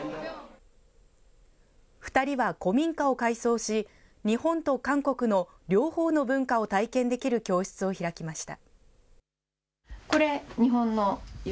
２人は古民家を改装し、日本と韓国の両方の文化を体験できる教室を開きました。